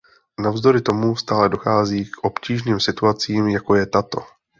Navzdory tomu stále dochází k obtížným situacím, jako je tato.